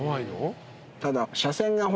ただ。